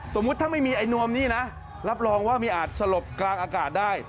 สมมุติถ้าไม่มีไอ้นวมนี่นะรับรองว่ามีอาจสลบกลางอากาศได้